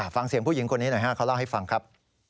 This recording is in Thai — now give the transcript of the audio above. ฟังเสียงผู้หญิงคนนี้หน่อยฮะเขาเล่าให้ฟังครับ